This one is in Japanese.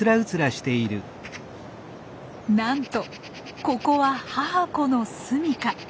なんとここは母子のすみか！